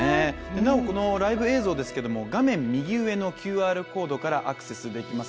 なお、このライブ映像ですけど、画面右上のＱＲコードからアクセスできます。